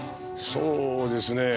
そうですねえ